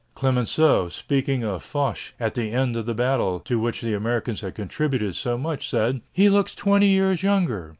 Clemenceau, speaking of Foch at the end of the battle to which the Americans had contributed so much, said: "He looks twenty years younger."